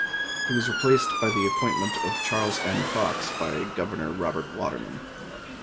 He was replaced by the appointment of Charles N. Fox by Governor Robert Waterman.